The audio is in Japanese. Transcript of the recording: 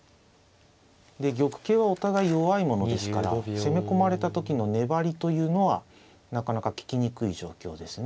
で玉形はお互い弱いものですから攻め込まれた時の粘りというのはなかなか利きにくい状況ですね。